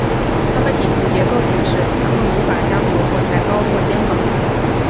它们颈部结构显示它们无法将头部高抬过肩膀。